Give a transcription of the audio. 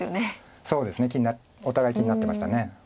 そうですねお互い気になってました。